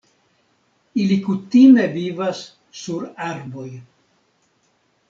Ili kutime vivas sur arboj.